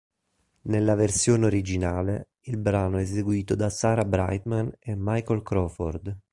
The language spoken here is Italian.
Nella versione originale il brano è eseguito da Sarah Brightman e Michael Crawford.